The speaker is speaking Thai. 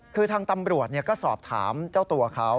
คือทางตำรวจก็สอบถามเจ้าตัวเขา